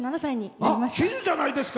喜寿じゃないですか！